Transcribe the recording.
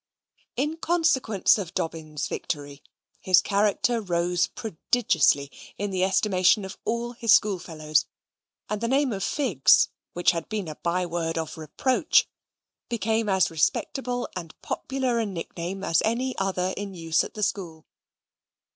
In consequence of Dobbin's victory, his character rose prodigiously in the estimation of all his schoolfellows, and the name of Figs, which had been a byword of reproach, became as respectable and popular a nickname as any other in use in the school.